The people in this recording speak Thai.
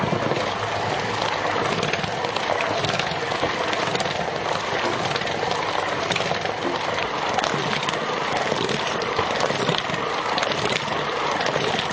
พร้อมทุกสิทธิ์